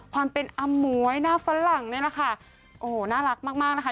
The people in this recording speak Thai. ความเป็นอำมวยหน้าฝรั่งนี่แหละค่ะโอ้โหน่ารักมากมากนะคะ